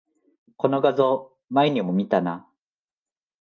この画像、前にも見たな